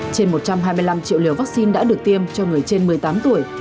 trên một trăm hai mươi năm triệu liều vaccine đã được tiêm cho người trên một mươi tám tuổi